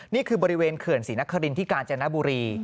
นี่คือบริเวณเขื่อนศรีนครินที่กาญจนบุรี